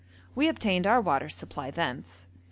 We obtained our water supply thence.